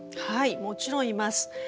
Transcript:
はいもちろんいます。